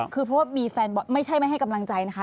คือเพราะว่ามีแฟนบอลไม่ใช่ไม่ให้กำลังใจนะคะ